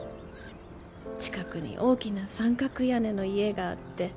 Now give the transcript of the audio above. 「近くに大きな三角屋根の家があって」